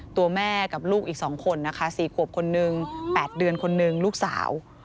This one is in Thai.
ตัวแม่กับลูกอีกสองคนนะคะสี่ขวบคนหนึ่งแปดเดือนคนหนึ่งลูกสาว